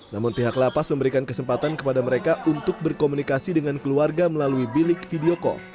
namun pihak lapas memberikan kesempatan kepada mereka untuk berkomunikasi dengan keluarga melalui bilik video call